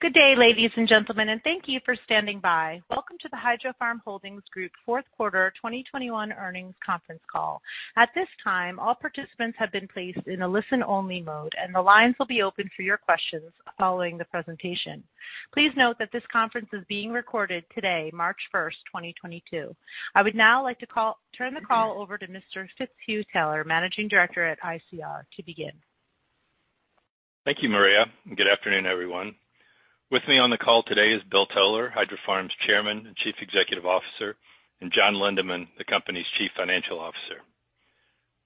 Good day, ladies and gentlemen, and thank you for standing by. Welcome to the Hydrofarm Holdings Group fourth quarter 2021 earnings conference call. At this time, all participants have been placed in a listen-only mode, and the lines will be open for your questions following the presentation. Please note that this conference is being recorded today, March 1st, 2022. I would now like to turn the call over to Mr. Fitzhugh Taylor, Managing Director at ICR, to begin. Thank you, Maria, and good afternoon, everyone. With me on the call today is Bill Toler, Hydrofarm's Chairman and Chief Executive Officer, and John Lindeman, the company's Chief Financial Officer.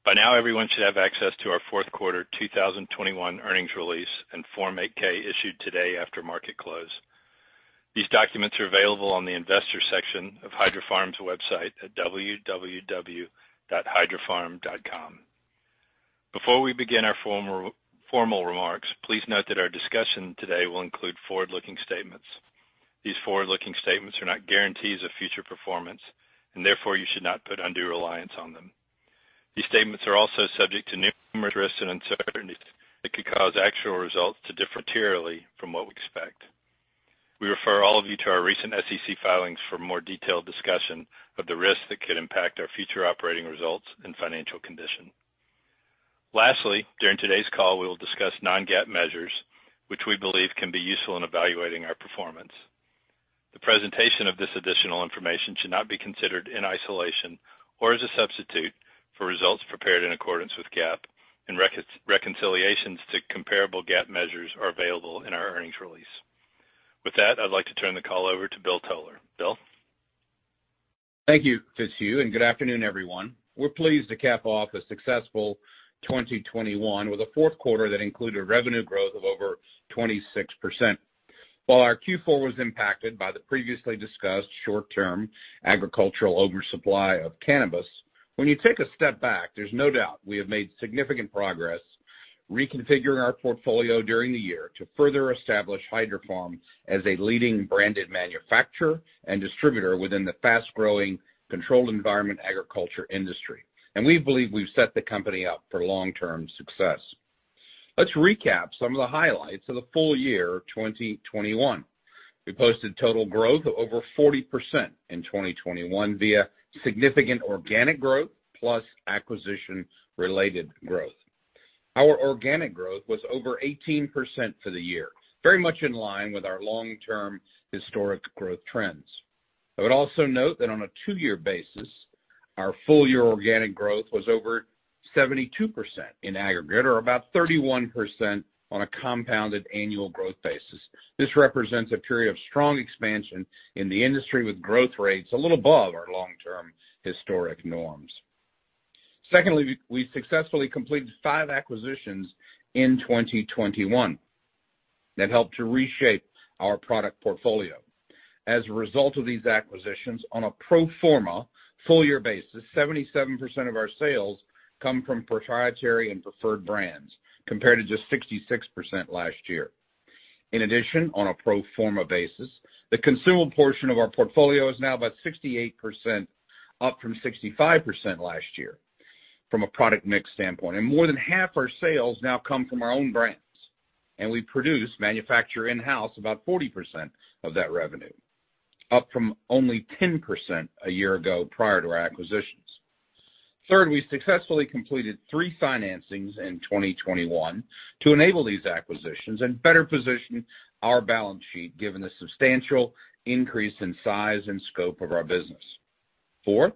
By now, everyone should have access to our fourth quarter 2021 earnings release and Form 8-K issued today after market close. These documents are available on the investor section of Hydrofarm's website at www.hydrofarm.com. Before we begin our formal remarks, please note that our discussion today will include forward-looking statements. These forward-looking statements are not guarantees of future performance, and therefore, you should not put undue reliance on them. These statements are also subject to numerous risks and uncertainties that could cause actual results to differ materially from what we expect. We refer all of you to our recent SEC filings for more detailed discussion of the risks that could impact our future operating results and financial condition. Lastly, during today's call, we will discuss non-GAAP measures which we believe can be useful in evaluating our performance. The presentation of this additional information should not be considered in isolation or as a substitute for results prepared in accordance with GAAP, and reconciliations to comparable GAAP measures are available in our earnings release. With that, I'd like to turn the call over to Bill Toler. Bill? Thank you, Fitzhugh, and good afternoon, everyone. We're pleased to cap off a successful 2021 with a fourth quarter that included revenue growth of over 26%. While our Q4 was impacted by the previously discussed short-term agricultural oversupply of cannabis, when you take a step back, there's no doubt we have made significant progress reconfiguring our portfolio during the year to further establish Hydrofarm as a leading branded manufacturer and distributor within the fast-growing controlled environment agriculture industry. We believe we've set the company up for long-term success. Let's recap some of the highlights of the full year 2021. We posted total growth of over 40% in 2021 via significant organic growth plus acquisition-related growth. Our organic growth was over 18% for the year, very much in line with our long-term historic growth trends. I would also note that on a two-year basis, our full-year organic growth was over 72% in aggregate or about 31% on a compounded annual growth basis. This represents a period of strong expansion in the industry with growth rates a little above our long-term historic norms. Secondly, we successfully completed five acquisitions in 2021 that helped to reshape our product portfolio. As a result of these acquisitions, on a pro forma full-year basis, 77% of our sales come from proprietary and preferred brands, compared to just 66% last year. In addition, on a pro forma basis, the consumable portion of our portfolio is now about 68%, up from 65% last year from a product mix standpoint. More than a half of our sales now come from our own brands, and we produce, manufacture in-house about 40% of that revenue, up from only 10% a year ago prior to our acquisitions. Third, we successfully completed three financings in 2021 to enable these acquisitions and better position our balance sheet, given the substantial increase in size and scope of our business. Four,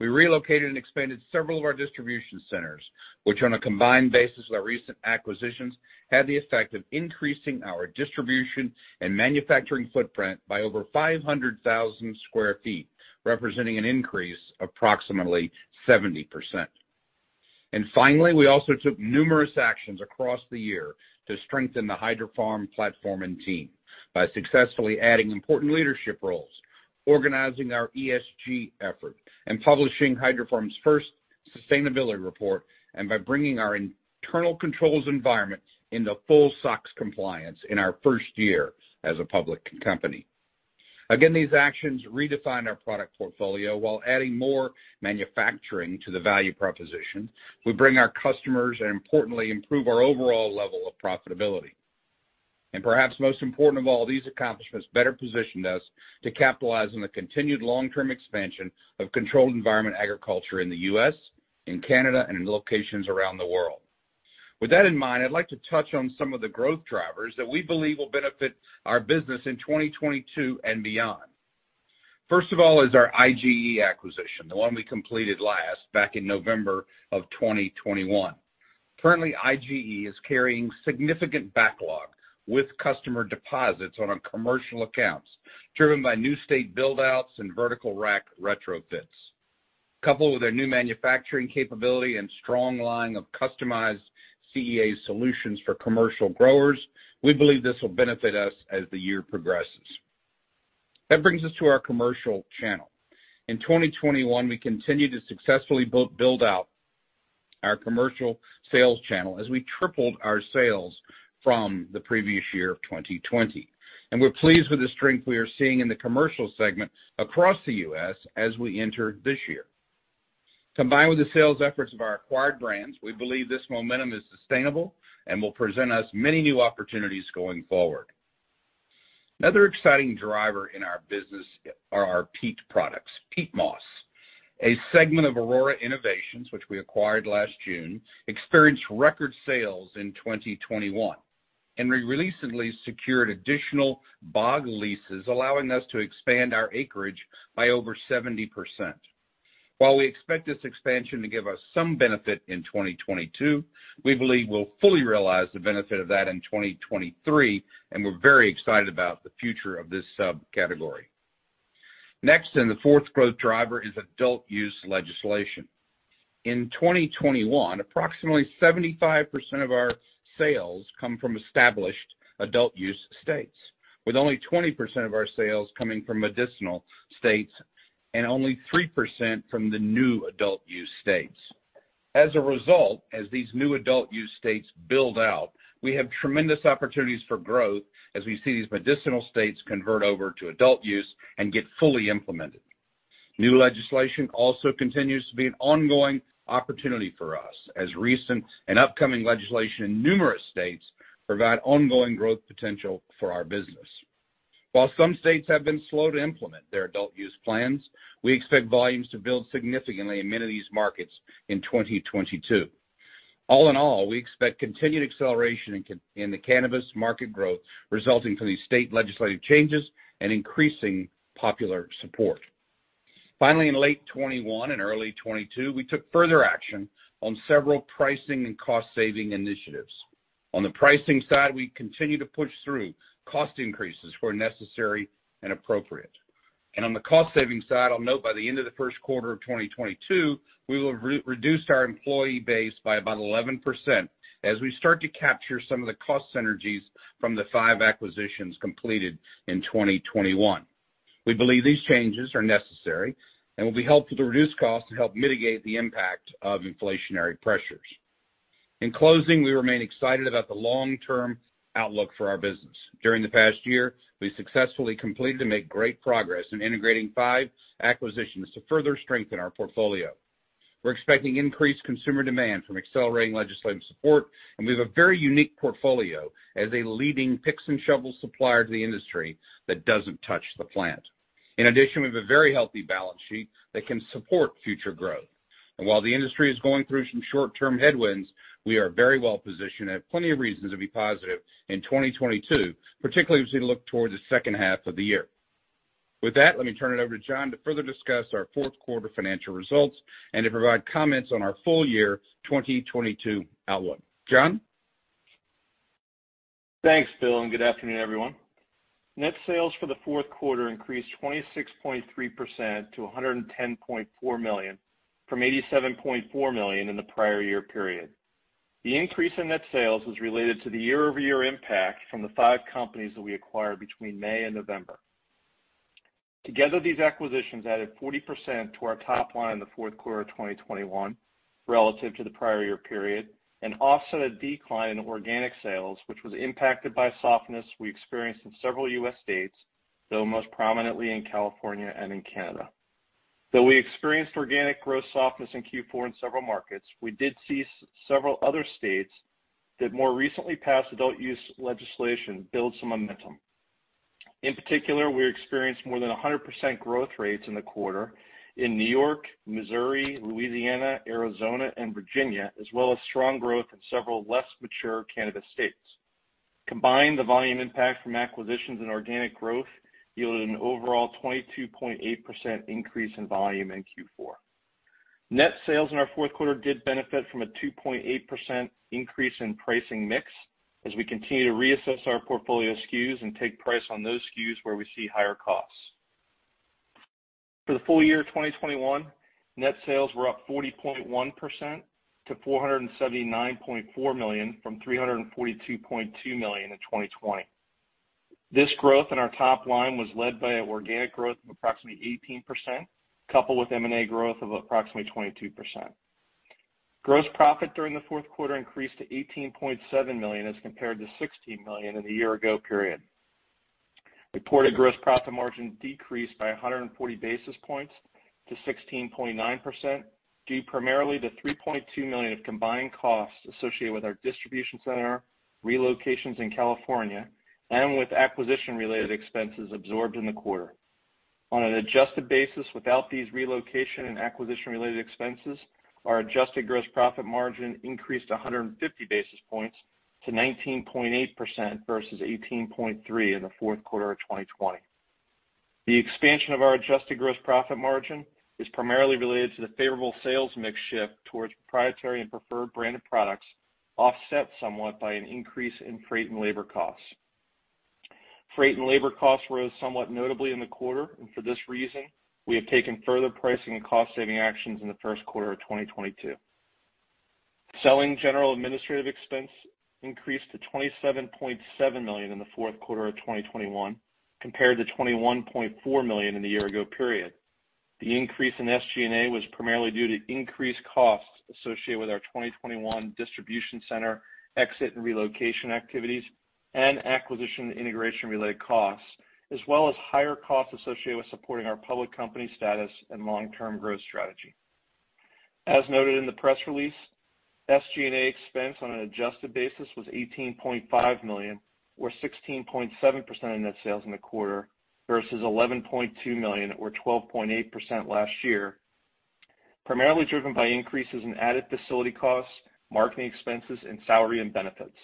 we relocated and expanded several of our distribution centers, which on a combined basis with our recent acquisitions, had the effect of increasing our distribution and manufacturing footprint by over 500,000 sq ft, representing an increase of approximately 70%. Finally, we also took numerous actions across the year to strengthen the Hydrofarm platform and team by successfully adding important leadership roles, organizing our ESG effort, and publishing Hydrofarm's first sustainability report, and by bringing our internal controls environment into full SOX compliance in our first year as a public company. Again, these actions redefine our product portfolio while adding more manufacturing to the value proposition, bringing value to our customers and importantly improving our overall level of profitability. Perhaps most important of all, these accomplishments better positioned us to capitalize on the continued long-term expansion of controlled environment agriculture in the U.S., in Canada, and in locations around the world. With that in mind, I'd like to touch on some of the growth drivers that we believe will benefit our business in 2022 and beyond. First of all is our IGE acquisition, the one we completed last back in November of 2021. Currently, IGE is carrying significant backlog with customer deposits on our commercial accounts, driven by new state build-outs and vertical rack retrofits. Coupled with their new manufacturing capability and strong line of customized CEA solutions for commercial growers, we believe this will benefit us as the year progresses. That brings us to our commercial channel. In 2021, we continued to successfully build out our commercial sales channel as we tripled our sales from the previous year of 2020. We're pleased with the strength we are seeing in the commercial segment across the U.S. as we enter this year. Combined with the sales efforts of our acquired brands, we believe this momentum is sustainable and will present us many new opportunities going forward. Another exciting driver in our business are our peat products. Peat moss, a segment of Aurora Innovations which we acquired last June, experienced record sales in 2021, and we recently secured additional bog leases, allowing us to expand our acreage by over 70%. While we expect this expansion to give us some benefit in 2022, we believe we'll fully realize the benefit of that in 2023, and we're very excited about the future of this subcategory. Next, the fourth growth driver is adult use legislation. In 2021, approximately 75% of our sales come from established adult use states, with only 20% of our sales coming from medicinal states and only 3% from the new adult use states. As a result, as these new adult use states build out, we have tremendous opportunities for growth as we see these medicinal states convert over to adult use and get fully implemented. New legislation also continues to be an ongoing opportunity for us, as recent and upcoming legislation in numerous states provide ongoing growth potential for our business. While some states have been slow to implement their adult use plans, we expect volumes to build significantly in many of these markets in 2022. All in all, we expect continued acceleration in the cannabis market growth resulting from these state legislative changes and increasing popular support. Finally, in late 2021 and early 2022, we took further action on several pricing and cost-saving initiatives. On the pricing side, we continue to push through cost increases where necessary and appropriate. On the cost-saving side, I'll note by the end of the first quarter of 2022, we will have re-reduced our employee base by about 11% as we start to capture some of the cost synergies from the five acquisitions completed in 2021. We believe these changes are necessary and will be helpful to reduce costs and help mitigate the impact of inflationary pressures. In closing, we remain excited about the long-term outlook for our business. During the past year, we successfully completed and made great progress in integrating five acquisitions to further strengthen our portfolio. We're expecting increased consumer demand from accelerating legislative support, and we have a very unique portfolio as a leading picks and shovels supplier to the industry that doesn't touch the plant. In addition, we have a very healthy balance sheet that can support future growth. While the industry is going through some short-term headwinds, we are very well-positioned and have plenty of reasons to be positive in 2022, particularly as we look towards the second half of the year. With that, let me turn it over to John to further discuss our fourth quarter financial results and to provide comments on our full year 2022 outlook. John? Thanks, Bill, and good afternoon, everyone. Net sales for the fourth quarter increased 26.3% to $110.4 million from $87.4 million in the prior year period. The increase in net sales was related to the year-over-year impact from the five companies that we acquired between May and November. Together, these acquisitions added 40% to our top line in the fourth quarter of 2021 relative to the prior year period and offset a decline in organic sales, which was impacted by softness we experienced in several U.S. states, though most prominently in California and in Canada. Though we experienced organic growth softness in Q4 in several markets, we did see several other states that more recently passed adult use legislation build some momentum. In particular, we experienced more than 100% growth rates in the quarter in New York, Missouri, Louisiana, Arizona, and Virginia, as well as strong growth in several less mature cannabis states. Combined, the volume impact from acquisitions and organic growth yielded an overall 22.8% increase in volume in Q4. Net sales in our fourth quarter did benefit from a 2.8% increase in pricing mix as we continue to reassess our portfolio SKUs and take price on those SKUs where we see higher costs. For the full year of 2021, net sales were up 40.1% to $479.4 million from $342.2 million in 2020. This growth in our top line was led by organic growth of approximately 18%, coupled with M&A growth of approximately 22%. Gross profit during the fourth quarter increased to $18.7 million as compared to $16 million in the year ago period. Reported gross profit margin decreased by 140 basis points to 16.9%, due primarily to $3.2 million of combined costs associated with our distribution center relocations in California and with acquisition-related expenses absorbed in the quarter. On an adjusted basis, without these relocation and acquisition-related expenses, our adjusted gross profit margin increased 150 basis points to 19.8% versus 18.3% in the fourth quarter of 2020. The expansion of our adjusted gross profit margin is primarily related to the favorable sales mix shift towards proprietary and preferred branded products, offset somewhat by an increase in freight and labor costs. Freight and labor costs rose somewhat notably in the quarter, and for this reason, we have taken further pricing and cost-saving actions in the first quarter of 2022. Selling general administrative expense increased to $27.7 million in the fourth quarter of 2021 compared to $21.4 million in the year ago period. The increase in SG&A was primarily due to increased costs associated with our 2021 distribution center exit and relocation activities. Acquisition integration-related costs, as well as higher costs associated with supporting our public company status and long-term growth strategy. As noted in the press release, SG&A expense on an adjusted basis was $18.5 million, or 16.7% of net sales in the quarter, versus $11.2 million or 12.8% last year, primarily driven by increases in added facility costs, marketing expenses, and salary and benefits.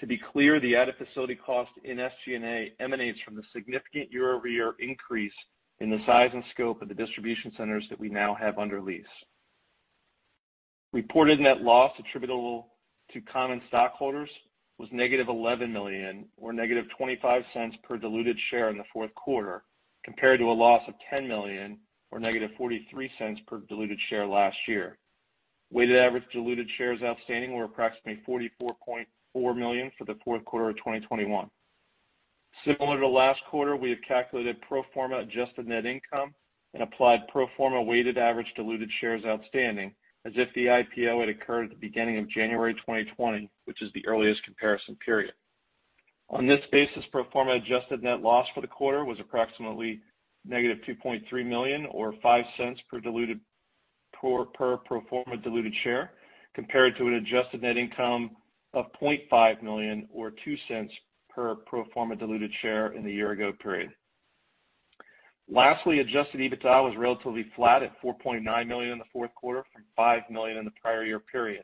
To be clear, the added facility cost in SG&A emanates from the significant year-over-year increase in the size and scope of the distribution centers that we now have under lease. Reported net loss attributable to common stockholders was -$11 million or -$0.25 per diluted share in the fourth quarter, compared to a loss of $10 million or -$0.43 per diluted share last year. Weighted average diluted shares outstanding were approximately 44.4 million for the fourth quarter of 2021. Similar to last quarter, we have calculated pro forma adjusted net income and applied pro forma weighted average diluted shares outstanding as if the IPO had occurred at the beginning of January 2020, which is the earliest comparison period. On this basis, pro forma adjusted net loss for the quarter was approximately -$2.3 million or $0.05 per pro forma diluted share, compared to an adjusted net income of $0.5 million or $0.02 per pro forma diluted share in the year ago period. Lastly, adjusted EBITDA was relatively flat at $4.9 million in the fourth quarter from $5 million in the prior year period.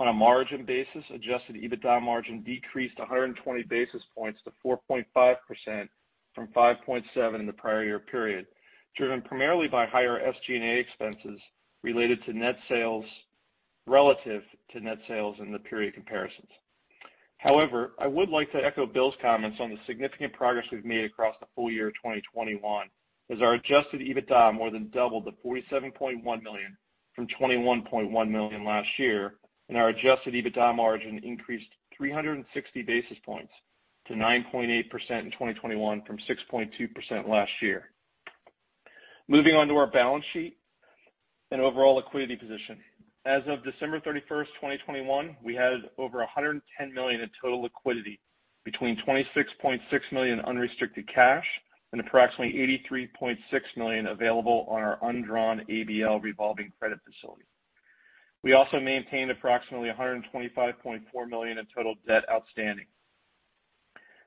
On a margin basis, adjusted EBITDA margin decreased 120 basis points to 4.5% from 5.7% in the prior year period, driven primarily by higher SG&A expenses related to net sales relative to net sales in the period comparisons. I would like to echo Bill's comments on the significant progress we've made across the full year of 2021, as our adjusted EBITDA more than doubled to $47.1 million from $21.1 million last year, and our adjusted EBITDA margin increased 360 basis points to 9.8% in 2021 from 6.2% last year. Moving on to our balance sheet and overall liquidity position. As of December 31st, 2021, we had over $110 million in total liquidity between $26.6 million unrestricted cash and approximately $83.6 million available on our undrawn ABL revolving credit facility. We also maintained approximately $125.4 million in total debt outstanding.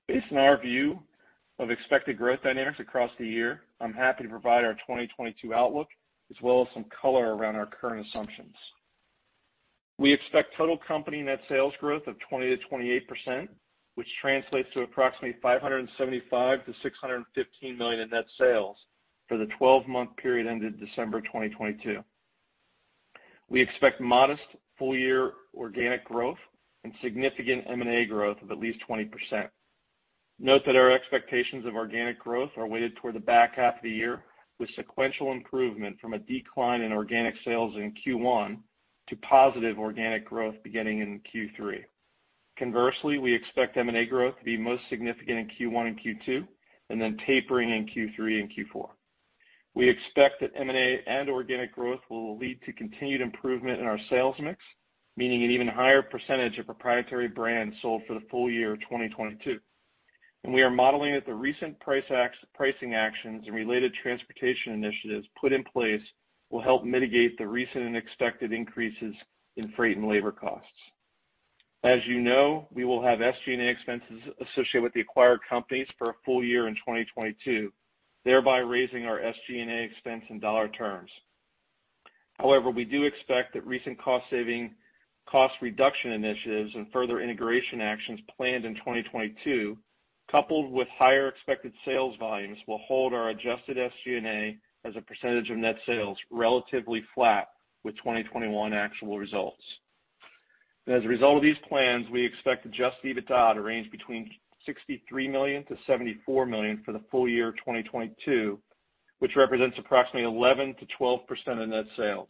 Based on our view of expected growth dynamics across the year, I'm happy to provide our 2022 outlook as well as some color around our current assumptions. We expect total company net sales growth of 20%-28%, which translates to approximately $575 million-$615 million in net sales for the 12-month period ended December 2022. We expect modest full-year organic growth and significant M&A growth of at least 20%. Note that our expectations of organic growth are weighted toward the back half of the year, with sequential improvement from a decline in organic sales in Q1 to positive organic growth beginning in Q3. Conversely, we expect M&A growth to be most significant in Q1 and Q2 and then tapering in Q3 and Q4. We expect that M&A and organic growth will lead to continued improvement in our sales mix, meaning an even higher percentage of proprietary brands sold for the full year of 2022. We are modeling that the recent pricing actions and related transportation initiatives put in place will help mitigate the recent and expected increases in freight and labor costs. As you know, we will have SG&A expenses associated with the acquired companies for a full year in 2022, thereby raising our SG&A expense in dollar terms. However, we do expect that recent cost saving, cost reduction initiatives and further integration actions planned in 2022, coupled with higher expected sales volumes, will hold our adjusted SG&A as a percentage of net sales relatively flat with 2021 actual results. As a result of these plans, we expect adjusted EBITDA to range between $63 million-$74 million for the full year of 2022, which represents approximately 11%-12% of net sales.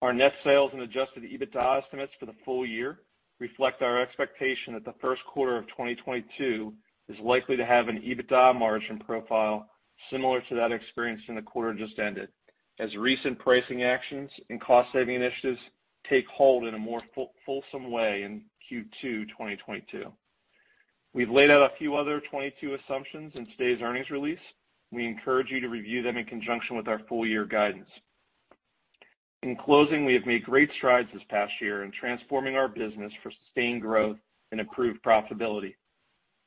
Our net sales and adjusted EBITDA estimates for the full year reflect our expectation that the first quarter of 2022 is likely to have an EBITDA margin profile similar to that experienced in the quarter just ended, as recent pricing actions and cost-saving initiatives take hold in a more fulsome way in Q2 2022. We've laid out a few other 2022 assumptions in today's earnings release. We encourage you to review them in conjunction with our full year guidance. In closing, we have made great strides this past year in transforming our business for sustained growth and improved profitability.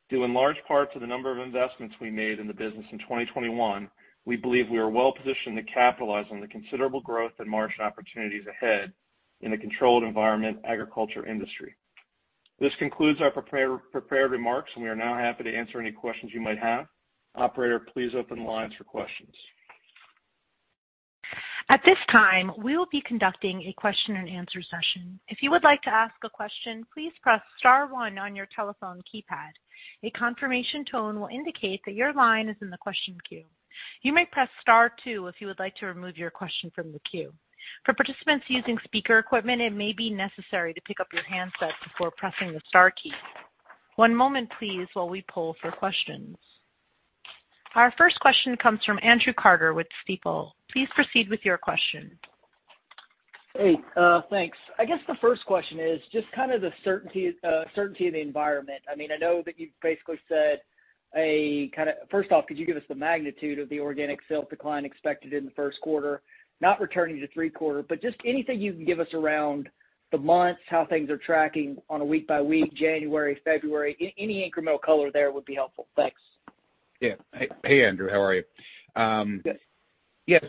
Due in large part to the number of investments we made in the business in 2021, we believe we are well positioned to capitalize on the considerable growth and margin opportunities ahead in the controlled environment agriculture industry. This concludes our prepared remarks, and we are now happy to answer any questions you might have. Operator, please open the lines for questions. At this time, we will be conducting a question-and-answer session. If you would like to ask a question, please press star one on your telephone keypad. A confirmation tone will indicate that your line is in the question queue. You may press star two if you would like to remove your question from the queue. For participants using speaker equipment, it may be necessary to pick up your handset before pressing the star key. One moment, please, while we poll for questions. Our first question comes from Andrew Carter with Stifel. Please proceed with your question. Hey, thanks. I guess the first question is just kind of the certainty of the environment. I mean, I know that you've basically said a kinda. First off, could you give us the magnitude of the organic sales decline expected in the first quarter? Not returning to three quarter, but just anything you can give us around the months, how things are tracking on a week by week, January, February. Any incremental color there would be helpful. Thanks. Yeah. Hey Andrew, how are you? Good. Yeah.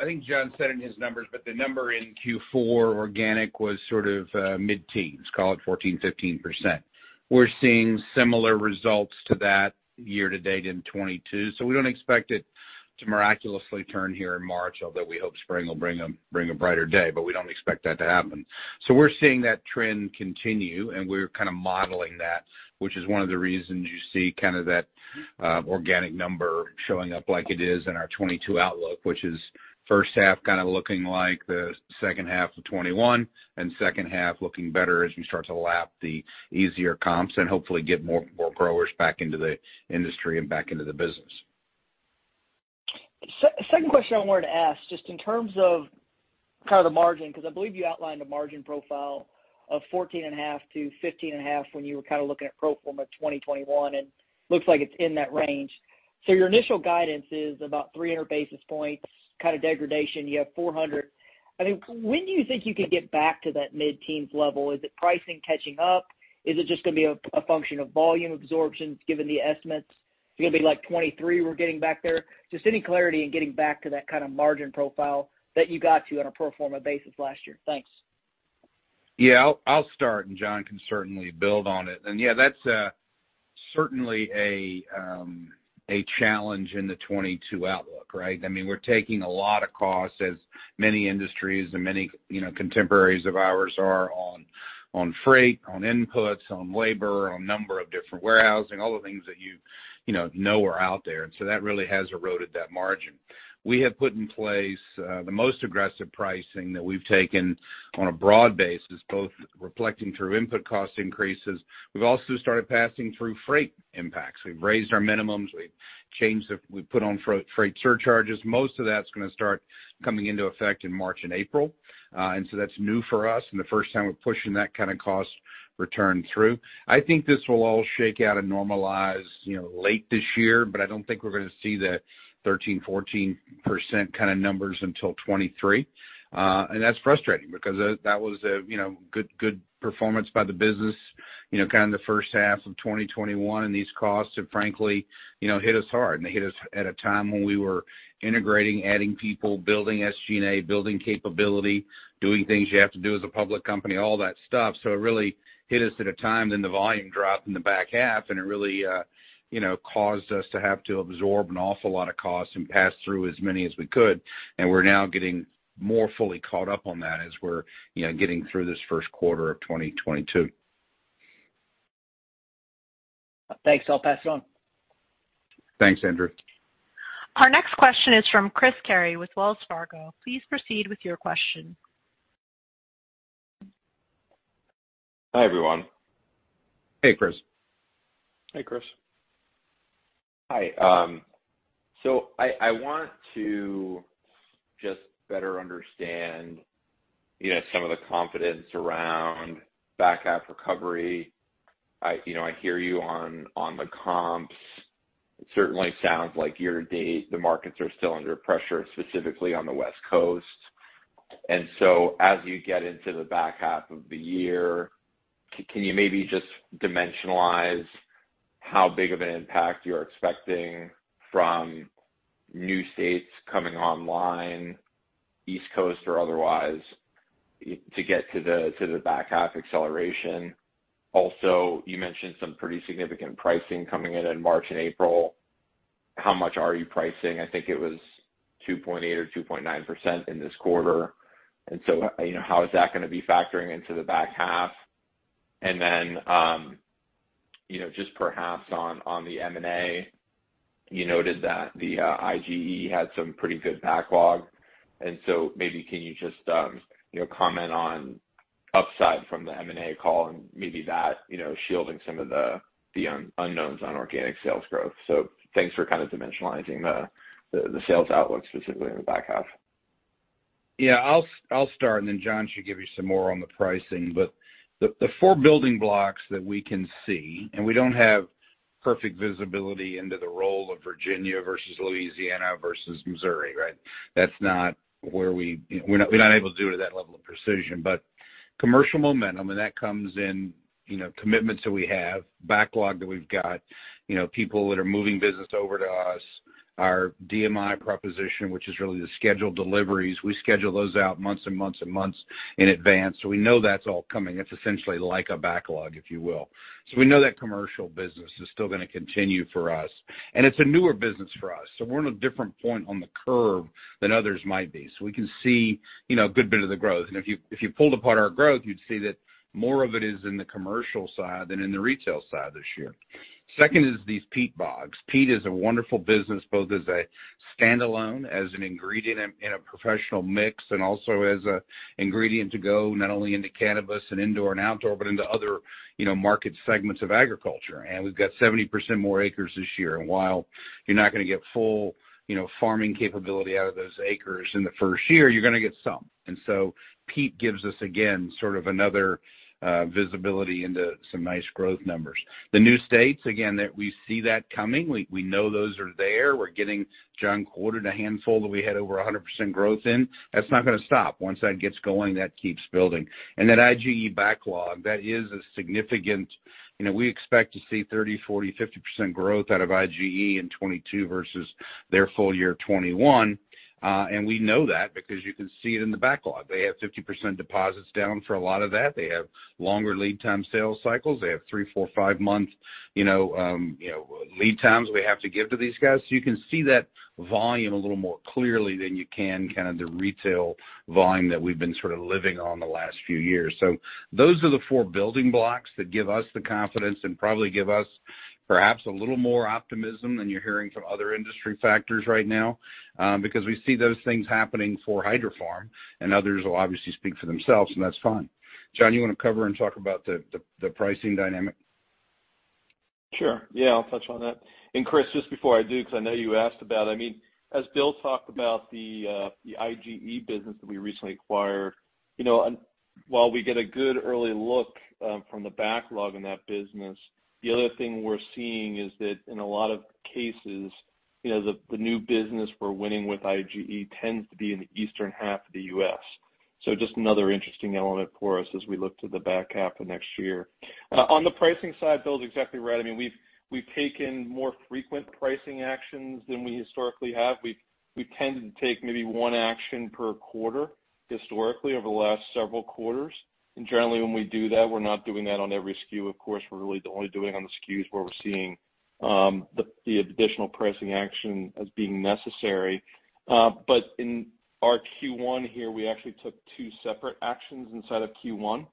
I think John said in his numbers, but the number in Q4 organic was sort of mid-teens, call it 14%, 15%. We're seeing similar results to that year to date in 2022, so we don't expect it to miraculously turn here in March, although we hope spring will bring a brighter day, but we don't expect that to happen. We're seeing that trend continue, and we're kind of modeling that, which is one of the reasons you see kind of that organic number showing up like it is in our 2022 outlook, which is first half kind of looking like the second half of 2021 and second half looking better as we start to lap the easier comps and hopefully get more growers back into the industry and back into the business. Second question I wanted to ask, just in terms of kind of the margin, because I believe you outlined a margin profile of 14.5%-15.5% when you were kind of looking at pro forma 2021, and looks like it's in that range. Your initial guidance is about 300 basis points, kind of degradation. You have 400 basis points. I mean, when do you think you could get back to that mid-teens level? Is it pricing catching up? Is it just gonna be a function of volume absorption given the estimates? Is it gonna be like 2023, we're getting back there? Just any clarity in getting back to that kind of margin profile that you got to on a pro forma basis last year. Thanks. I'll start and John can certainly build on it. Yeah, that's certainly a challenge in the 2022 outlook, right? I mean, we're taking a lot of costs as many industries and many contemporaries of ours are on freight, on inputs, on labor, on a number of different warehousing, all the things that you know are out there. That really has eroded that margin. We have put in place the most aggressive pricing that we've taken on a broad basis, both reflecting through input cost increases. We've also started passing through freight impacts. We've raised our minimums. We've put on freight surcharges. Most of that's gonna start coming into effect in March and April. That's new for us and the first time we're pushing that kind of cost return through. I think this will all shake out and normalize, you know, late this year, but I don't think we're gonna see the 13%-14% kind of numbers until 2023. That's frustrating because that was a, you know, good performance by the business, you know, kind of the first half of 2021. These costs have frankly, you know, hit us hard. They hit us at a time when we were integrating, adding people, building SG&A, building capability, doing things you have to do as a public company, all that stuff. It really hit us at a time then the volume dropped in the back half and it really, you know, caused us to have to absorb an awful lot of costs and pass through as many as we could. We're now getting more fully caught up on that as we're, you know, getting through this first quarter of 2022. Thanks. I'll pass it on. Thanks, Andrew. Our next question is from Chris Carey with Wells Fargo. Please proceed with your question. Hi, everyone. Hey, Chris. Hey, Chris. Hi. I want to just better understand, you know, some of the confidence around back half recovery. You know, I hear you on the comps. It certainly sounds like year to date, the markets are still under pressure, specifically on the West Coast. As you get into the back half of the year, can you maybe just dimensionalize how big of an impact you're expecting from new states coming online, East Coast or otherwise, to get to the back half acceleration? Also, you mentioned some pretty significant pricing coming in in March and April. How much are you pricing? I think it was 2.8% or 2.9% in this quarter. You know, how is that gonna be factoring into the back half? You know, just perhaps on the M&A, you noted that the IGE had some pretty good backlog. Maybe you can just, you know, comment on upside from the M&A and maybe that, you know, shielding some of the unknowns on organic sales growth. Thanks for kind of dimensionalizing the sales outlook specifically in the back half. Yeah. I'll start and then John should give you some more on the pricing. The four building blocks that we can see, and we don't have perfect visibility into the role of Virginia versus Louisiana versus Missouri, right? That's not where we're able to do it at that level of precision. Commercial momentum, and that comes in, you know, commitments that we have, backlog that we've got. You know, people that are moving business over to us. Our DMI proposition, which is really the scheduled deliveries. We schedule those out months and months and months in advance, so we know that's all coming. It's essentially like a backlog, if you will. We know that commercial business is still gonna continue for us. It's a newer business for us, so we're in a different point on the curve than others might be. We can see, you know, a good bit of the growth. If you pulled apart our growth, you'd see that more of it is in the commercial side than in the retail side this year. Second is these peat bogs. Peat is a wonderful business, both as a standalone, as an ingredient in a professional mix, and also as an ingredient to go not only into cannabis and indoor and outdoor, but into other, you know, market segments of agriculture. We've got 70% more acres this year. While you're not gonna get full, you know, farming capability out of those acres in the first year, you're gonna get some. Peat gives us again sort of another visibility into some nice growth numbers. The new states, again, that we see that coming. We know those are there. We're getting John quoted a handful that we had over 100% growth in. That's not gonna stop. Once that gets going, that keeps building. That IGE backlog, that is a significant. You know, we expect to see 30%, 40%, 50% growth out of IGE in 2022 versus their full year 2021. And we know that because you can see it in the backlog. They have 50% deposits down for a lot of that. They have longer lead time sales cycles. They have three-month, four-month, five-month, you know, lead times we have to give to these guys. You can see that volume a little more clearly than you can kind of the retail volume that we've been sort of living on the last few years. Those are the four building blocks that give us the confidence and probably give us perhaps a little more optimism than you're hearing from other industry actors right now, because we see those things happening for Hydrofarm, and others will obviously speak for themselves, and that's fine. John, you want to cover and talk about the pricing dynamic? Sure. Yeah, I'll touch on that. Chris, just before I do, 'cause I know you asked about it, I mean, as Bill talked about the IGE business that we recently acquired, you know, and while we get a good early look from the backlog in that business, the other thing we're seeing is that in a lot of cases, you know, the new business we're winning with IGE tends to be in the eastern half of the U.S. Just another interesting element for us as we look to the back half of next year. On the pricing side, Bill's exactly right. I mean, we've taken more frequent pricing actions than we historically have. We've tended to take maybe one action per quarter historically over the last several quarters. Generally, when we do that, we're not doing that on every SKU, of course. We're really only doing it on the SKUs where we're seeing the additional pricing action as being necessary. In our Q1 here, we actually took two separate actions inside of Q1,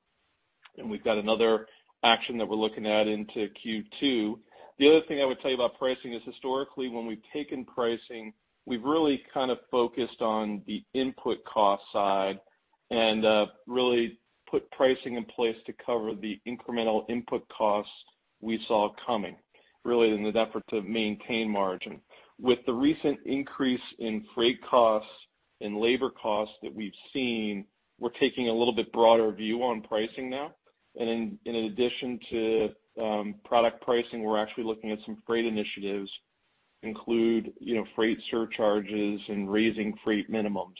and we've got another action that we're looking at into Q2. The other thing I would tell you about pricing is historically, when we've taken pricing, we've really kind of focused on the input cost side and really put pricing in place to cover the incremental input costs we saw coming, really in an effort to maintain margin. With the recent increase in freight costs and labor costs that we've seen, we're taking a little bit broader view on pricing now. In addition to product pricing, we're actually looking at some freight initiatives, including, you know, freight surcharges and raising freight minimums,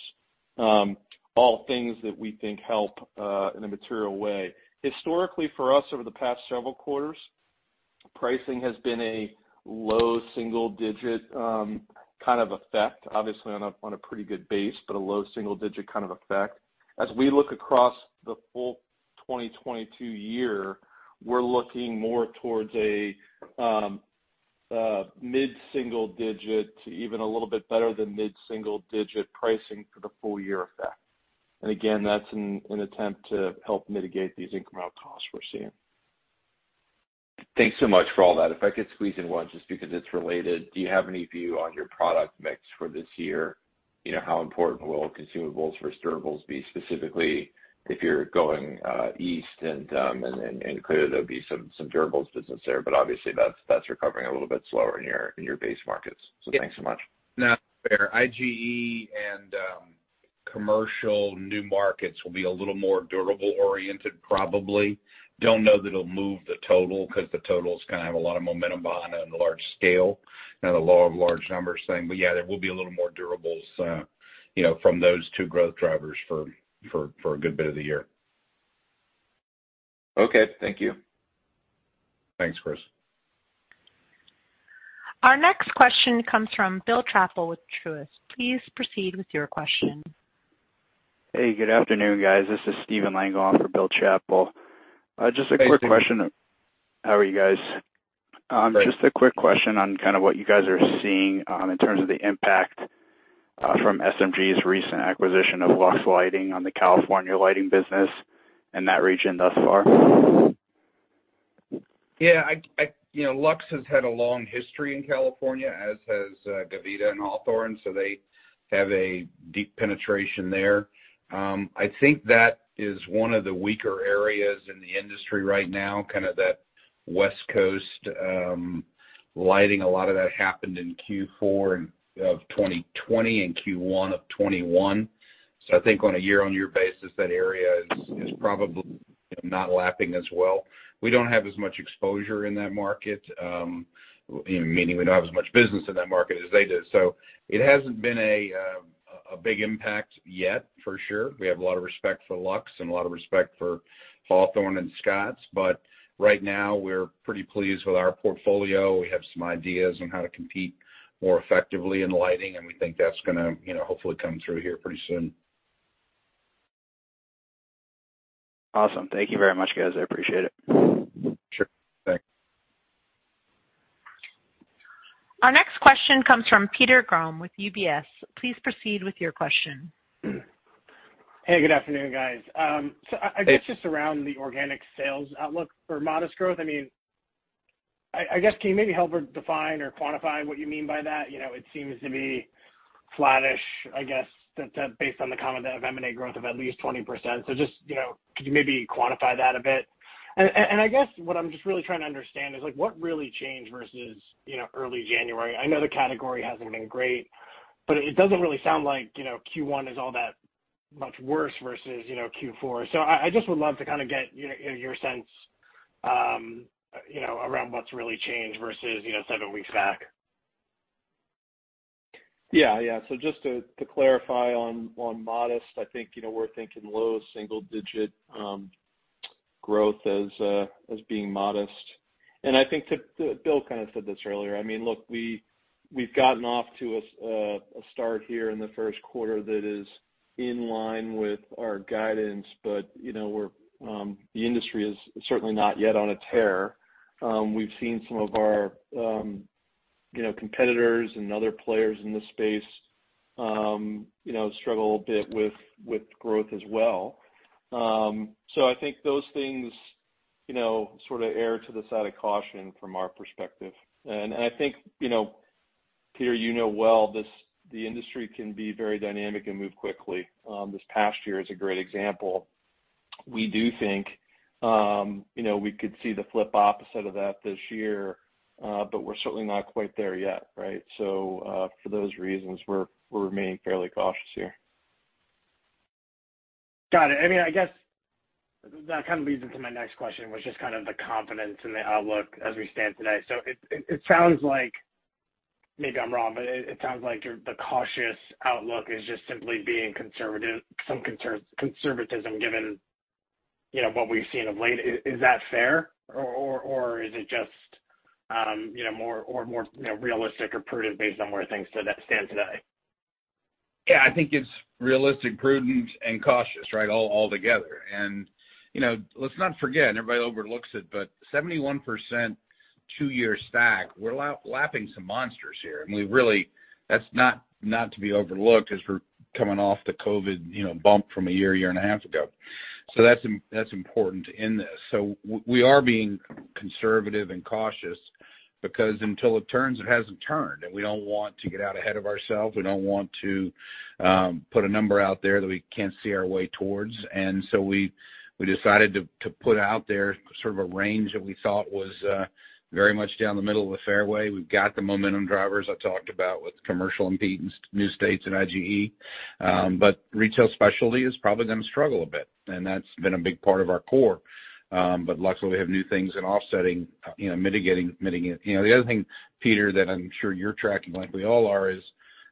all things that we think help in a material way. Historically for us over the past several quarters, pricing has been a low single-digit kind of effect, obviously on a pretty good base, but a low single-digit kind of effect. As we look across the full 2022 year, we're looking more towards a mid-single-digit to even a little bit better than mid-single-digit pricing for the full year effect. Again, that's an attempt to help mitigate these incremental costs we're seeing. Thanks so much for all that. If I could squeeze in one just because it's related, do you have any view on your product mix for this year? You know, how important will consumables versus durables be, specifically if you're going east and clearly there'll be some durables business there, but obviously that's recovering a little bit slower in your base markets. Thanks so much. No, fair. IGE and commercial new markets will be a little more durable-oriented probably. Don't know that it'll move the total 'cause the total's kinda have a lot of momentum behind it on a large scale and the law of large numbers thing. Yeah, there will be a little more durables, you know, from those two growth drivers for a good bit of the year. Okay, thank you. Thanks, Chris. Our next question comes from Bill Chappell with Truist. Please proceed with your question. Hey, good afternoon, guys. This is Stephen Lengel for Bill Chappell. Hey, Stephen. Just a quick question. How are you guys? Good. Just a quick question on kind of what you guys are seeing in terms of the impact from SMG's recent acquisition of Luxx Lighting on the California lighting business in that region thus far? Yeah, you know, Luxx has had a long history in California, as has Gavita and Hawthorne, so they have a deep penetration there. I think that is one of the weaker areas in the industry right now, kind of that West Coast lighting. A lot of that happened in Q4 of 2020 and Q1 of 2021. I think on a year-on-year basis, that area is probably not lapping as well. We don't have as much exposure in that market, meaning we don't have as much business in that market as they do. It hasn't been a big impact yet for sure. We have a lot of respect for Luxx and a lot of respect for Hawthorne and Scotts. Right now we're pretty pleased with our portfolio. We have some ideas on how to compete more effectively in lighting, and we think that's gonna, you know, hopefully come through here pretty soon. Awesome. Thank you very much, guys. I appreciate it. Sure. Thanks. Our next question comes from Peter Grom with UBS. Please proceed with your question. Hey, good afternoon, guys. I guess just around the organic sales outlook for modest growth, I mean, I guess can you maybe help or define or quantify what you mean by that? You know, it seems to be flattish, I guess, that's based on the comment of M&A growth of at least 20%. Just, you know, could you maybe quantify that a bit? I guess what I'm just really trying to understand is like what really changed versus, you know, early January? I know the category hasn't been great, but it doesn't really sound like, you know, Q1 is all that much worse versus, you know, Q4. I just would love to kinda get your sense, you know, around what's really changed versus, you know, seven weeks back. Yeah. Just to clarify on modest, I think, you know, we're thinking low single digit growth as being modest. I think too, Bill kind of said this earlier, I mean, look, we've gotten off to a start here in the first quarter that is in line with our guidance, but, you know, the industry is certainly not yet on a tear. We've seen some of our, you know, competitors and other players in this space, you know, struggle a bit with growth as well. I think those things, you know, sort of err on the side of caution from our perspective. I think, you know, Peter, you know well, the industry can be very dynamic and move quickly. This past year is a great example. We do think, you know, we could see the flip opposite of that this year, but we're certainly not quite there yet, right? For those reasons, we're remaining fairly cautious here. Got it. I mean, I guess that kind of leads into my next question, which is kind of the confidence in the outlook as we stand today. It sounds like, maybe I'm wrong, but it sounds like your the cautious outlook is just simply being conservative, some conservatism given, you know, what we've seen of late. Is that fair? Or is it just, you know, more or more, you know, realistic or prudent based on where things stand today? Yeah, I think it's realistic, prudent, and cautious, right? All together. You know, let's not forget, everybody overlooks it, but 71% two-year stack, we're lapping some monsters here. That's not to be overlooked as we're coming off the COVID, you know, bump from a year and a half ago. That's important in this. We are being conservative and cautious because until it turns, it hasn't turned, and we don't want to get out ahead of ourselves. We don't want to put a number out there that we can't see our way towards. We decided to put out there sort of a range that we thought was very much down the middle of the fairway. We've got the momentum drivers I talked about with commercial and peat, new states and IGE. Retail specialty is probably gonna struggle a bit, and that's been a big part of our core. Luckily, we have new things in offsetting, you know, mitigating. You know, the other thing, Peter, that I'm sure you're tracking like we all are, is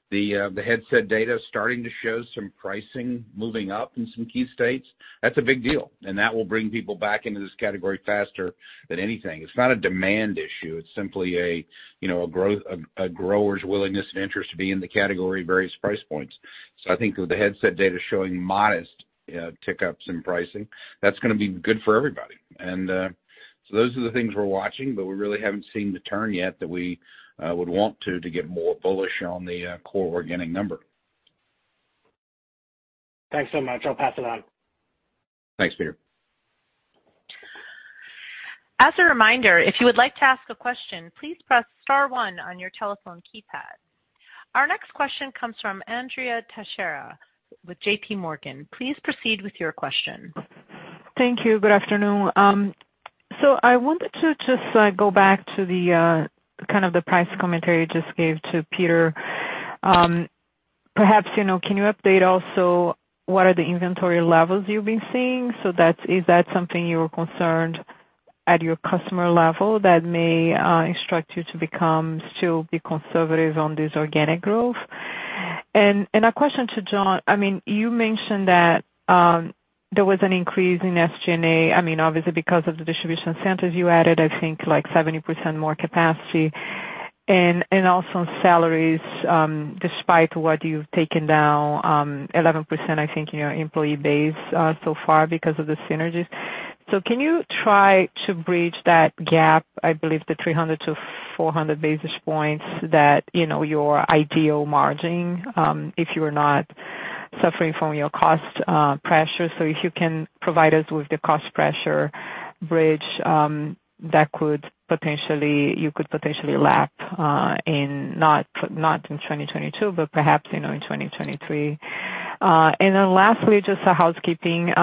the Headset data is starting to show some pricing moving up in some key states. That's a big deal, and that will bring people back into this category faster than anything. It's not a demand issue. It's simply a, you know, a grower's willingness and interest to be in the category at various price points. I think with the Headset data showing modest tick-ups in pricing, that's gonna be good for everybody. Those are the things we're watching, but we really haven't seen the turn yet that we would want to get more bullish on the core organic number. Thanks so much. I'll pass it on. Thanks, Peter. As a reminder, if you would like to ask a question, please press star one on your telephone keypad. Our next question comes from Andrea Teixeira with JPMorgan. Please proceed with your question. Thank you. Good afternoon. I wanted to just go back to the kind of the price commentary you just gave to Peter. Perhaps, you know, can you update also what are the inventory levels you've been seeing? That's something you're concerned at your customer level that may instruct you to still be conservative on this organic growth? A question to John. I mean, you mentioned that there was an increase in SG&A, I mean, obviously because of the distribution centers you added, I think like 70% more capacity and also in salaries, despite what you've taken down, 11%, I think, in your employee base so far because of the synergies. Can you try to bridge that gap, I believe the 300 basis points-400 basis points that, you know, your ideal margin, if you are not suffering from your cost pressure. If you can provide us with the cost pressure bridge, that you could potentially lap in not in 2022, but perhaps, you know, in 2023. And then lastly, just a housekeeping.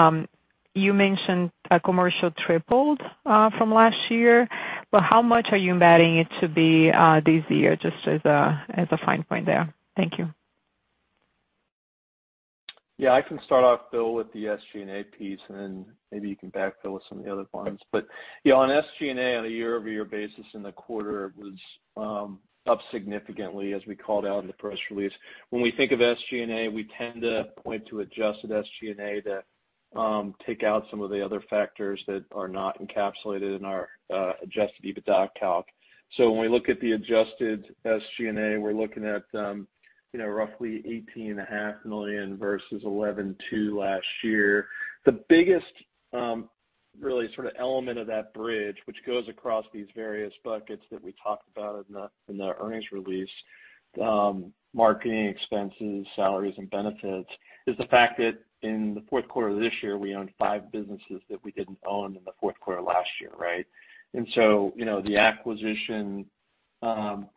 You mentioned that commercial tripled from last year, but how much are you embedding it to be this year, just as a fine point there? Thank you. Yeah, I can start off, Bill, with the SG&A piece, and then maybe you can backfill with some of the other ones. Yeah, on SG&A on a year-over-year basis in the quarter was up significantly as we called out in the press release. When we think of SG&A, we tend to point to adjusted SG&A to take out some of the other factors that are not encapsulated in our adjusted EBITDA calc. When we look at the adjusted SG&A, we're looking at, you know, roughly $18.5 million versus $11.2 million last year. The biggest really sort of element of that bridge, which goes across these various buckets that we talked about in the earnings release, marketing expenses, salaries, and benefits, is the fact that in the fourth quarter of this year, we owned five businesses that we didn't own in the fourth quarter last year, right? You know, the acquisition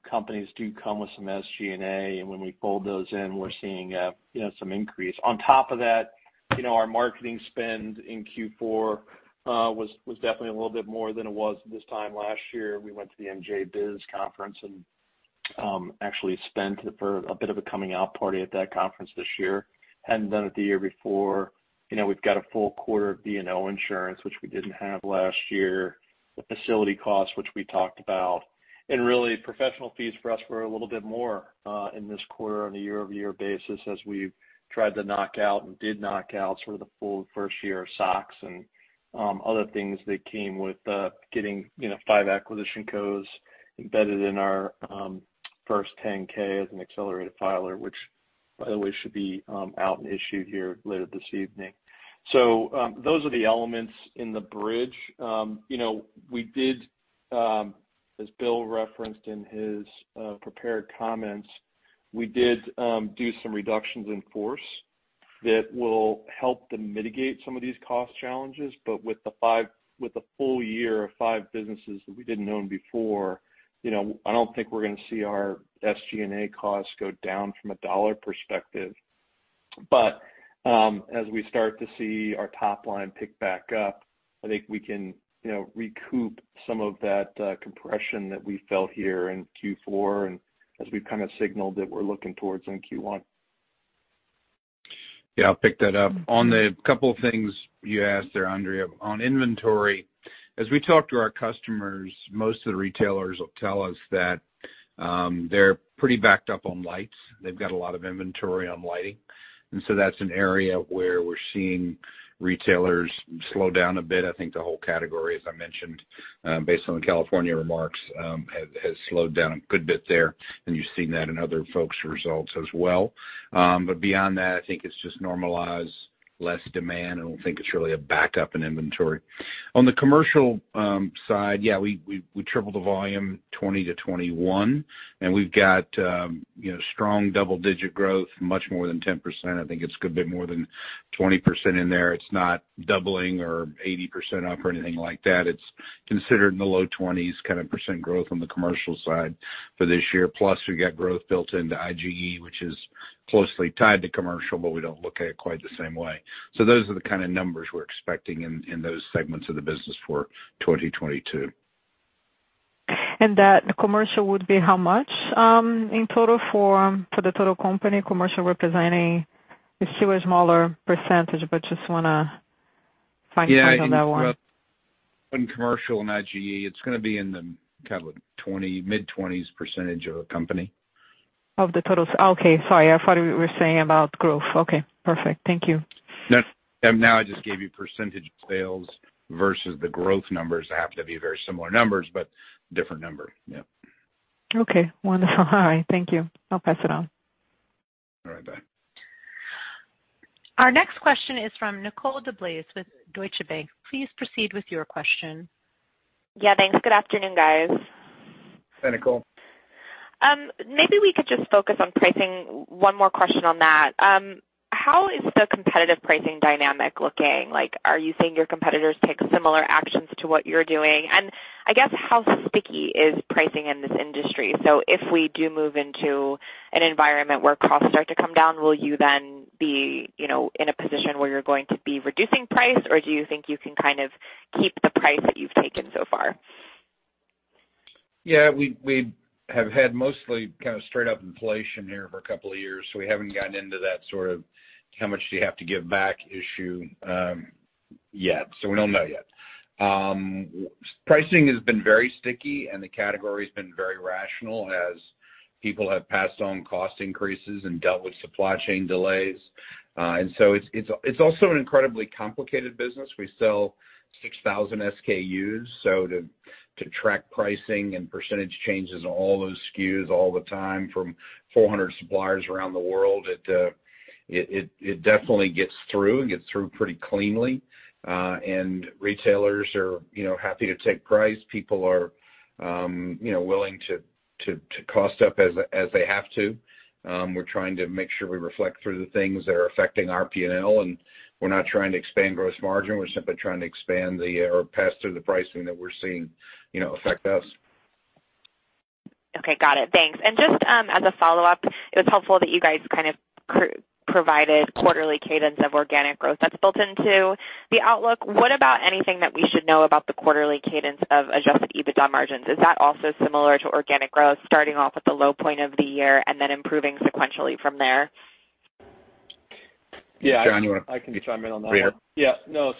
companies do come with some SG&A, and when we fold those in, we're seeing you know, some increase. On top of that, you know, our marketing spend in Q4 was definitely a little bit more than it was this time last year. We went to the MJBizCon and actually spent for a bit of a coming out party at that conference this year. Hadn't done it the year before. You know, we've got a full quarter of D&O insurance, which we didn't have last year. The facility costs, which we talked about, and really professional fees for us were a little bit more in this quarter on a year-over-year basis as we've tried to knock out and did knock out sort of the full first year of SOX and other things that came with getting, you know, five acquisition cos embedded in our first 10-K as an accelerated filer, which by the way, should be out and issued here later this evening. Those are the elements in the bridge. You know, as Bill referenced in his prepared comments, we did some reductions in force that will help to mitigate some of these cost challenges, but with the full year of five businesses that we didn't own before, you know, I don't think we're gonna see our SG&A costs go down from a dollar perspective. As we start to see our top line pick back up, I think we can, you know, recoup some of that compression that we felt here in Q4 and as we've kind of signaled that we're looking towards in Q1. Yeah, I'll pick that up. On the couple of things you asked there, Andrea. On inventory, as we talk to our customers, most of the retailers will tell us that they're pretty backed up on lights. They've got a lot of inventory on lighting, and so that's an area where we're seeing retailers slow down a bit. I think the whole category, as I mentioned, based on the California remarks, has slowed down a good bit there, and you're seeing that in other folks' results as well. Beyond that, I think it's just normalized, less demand. I don't think it's really a backup in inventory. On the commercial side, yeah, we tripled the volume 2020 to 2021, and we've got you know, strong double-digit growth, much more than 10%. I think it's a good bit more than 20% in there. It's not doubling or 80% up or anything like that. It's considered in the low 20%s growth on the commercial side for this year. Plus, we've got growth built into IGE, which is closely tied to commercial, but we don't look at it quite the same way. Those are the kind of numbers we're expecting in those segments of the business for 2022. That commercial would be how much, in total for the total company? Commercial representing is still a smaller percentage, but just wanna find- Yeah. Fine on that one. In commercial and IGE, it's gonna be in the kind of like 20%, mid-20s percentage of the company. Okay. Sorry. I thought you were saying about growth. Okay. Perfect. Thank you. Now I just gave you percentage of sales versus the growth numbers. They happen to be very similar numbers, but different number. Yeah. Okay. Wonderful. All right. Thank you. I'll pass it on. All right. Bye. Our next question is from Nicole DeBlase with Deutsche Bank. Please proceed with your question. Yeah. Thanks. Good afternoon, guys. Hi, Nicole. Maybe we could just focus on pricing, one more question on that. How is the competitive pricing dynamic looking? Like, are you seeing your competitors take similar actions to what you're doing? And I guess how sticky is pricing in this industry? So if we do move into an environment where costs start to come down, will you then be, you know, in a position where you're going to be reducing price, or do you think you can kind of keep the price that you've taken so far? Yeah. We have had mostly kind of straight up inflation here for a couple of years, so we haven't gotten into that sort of how much do you have to give back issue yet. We don't know yet. Pricing has been very sticky and the category's been very rational as people have passed on cost increases and dealt with supply chain delays. It's also an incredibly complicated business. We sell 6,000 SKUs, so to track pricing and percentage changes on all those SKUs all the time from 400 suppliers around the world, it definitely gets through and gets through pretty cleanly. Retailers are, you know, happy to take price. People are, you know, willing to cost up as they have to. We're trying to make sure we reflect through the things that are affecting our P&L, and we're not trying to expand gross margin. We're simply trying to pass through the pricing that we're seeing, you know, affect us. Okay. Got it. Thanks. Just, as a follow-up, it was helpful that you guys kind of provided quarterly cadence of organic growth that's built into the outlook. What about anything that we should know about the quarterly cadence of adjusted EBITDA margins? Is that also similar to organic growth, starting off at the low point of the year and then improving sequentially from there? Yeah. John, you wanna. I can chime in on that one. Yeah. No,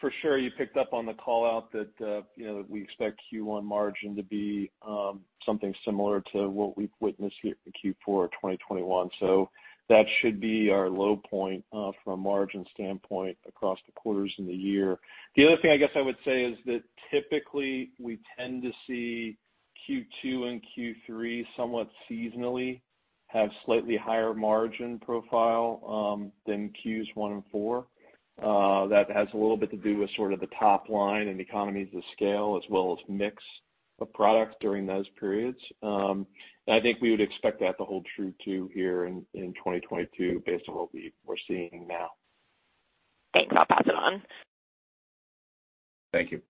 for sure, you picked up on the call out that, you know, we expect Q1 margin to be, something similar to what we've witnessed here in Q4 of 2021. That should be our low point, from a margin standpoint across the quarters in the year. The other thing I guess I would say is that typically, we tend to see Q2 and Q3 somewhat seasonally have slightly higher margin profile, than Q1 and Q4. That has a little bit to do with sort of the top line and economies of scale as well as mix of products during those periods. I think we would expect that to hold true too here in 2022 based on what we're seeing now. Thanks. I'll pass it on. Thank you.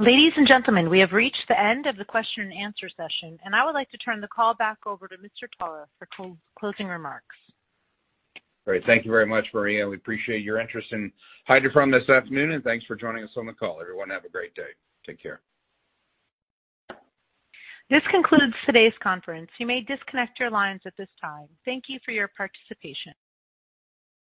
Ladies and gentlemen, we have reached the end of the question and answer session, and I would like to turn the call back over to Mr. Toler for closing remarks. Great. Thank you very much, Maria. We appreciate your interest in Hydrofarm this afternoon, and thanks for joining us on the call. Everyone, have a great day. Take care. This concludes today's conference. You may disconnect your lines at this time. Thank you for your participation.